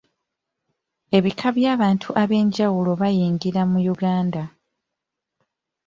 Ebika by'abantu ab'enjawulo bayingira mu Uganda.